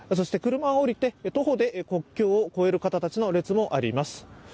車を降りて、徒歩で国境を越える方たちの列もあります。